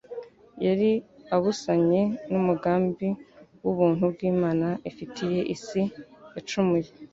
Yari abusanye n'umugambi w'ubuntu bw'Imana ifitiye isi yacumuye,